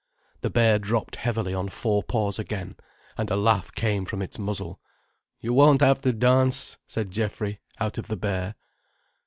The bear dropped heavily on four paws again, and a laugh came from its muzzle. "You won't have to dance," said Geoffrey out of the bear.